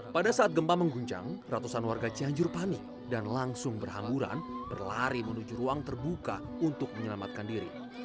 pada saat gempa mengguncang ratusan warga cianjur panik dan langsung berhamburan berlari menuju ruang terbuka untuk menyelamatkan diri